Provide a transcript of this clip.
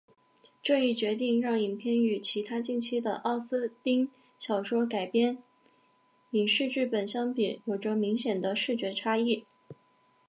这一决定让影片与其他近期的奥斯汀小说改编影视剧本相比有着明显的视觉差异。